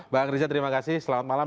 bang riza terima kasih selamat malam